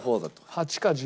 ８か１０。